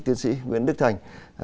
tiến sĩ nguyễn đức thành